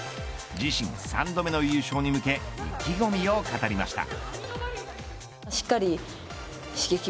自身３度目の優勝に向け意気込みを語りました。